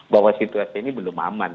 bahwa situasi ini belum aman